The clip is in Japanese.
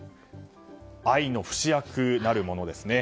愛の不死薬なるものですね。